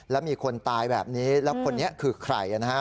แล้วมีคนตายแบบนี้แล้วคนนี้คือใครนะฮะ